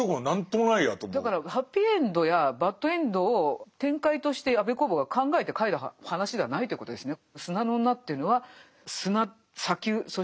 だからハッピーエンドやバッドエンドを展開として安部公房が考えて書いた話ではないということですね。